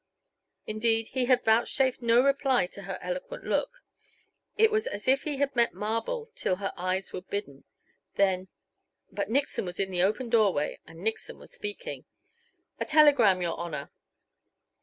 Indeed, he had vouchsafed no reply to her eloquent look. It was as if it had met marble till her eyes were bidden; then But Nixon was in the open doorway and Nixon was speaking: "A telegram, your Honor."